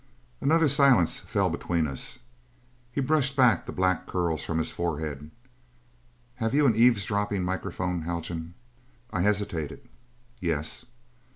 Another silence fell between us. He brushed back the black curls from his forehead. "Have you an eavesdropping microphone, Haljan?" I hesitated. "Yes."